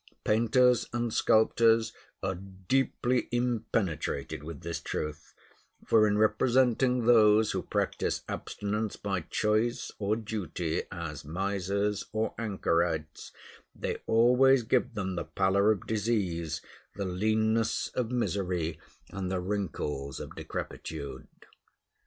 Painters and sculptors are deeply impenetrated with this truth; for in representing those who practice abstinence by choice or duty as misers or anchorites, they always give them the pallor of disease, the leanness of misery, and the wrinkles of decrepitude.